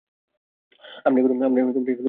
আমরা এগুলো নেটে ছেড়ে দিব।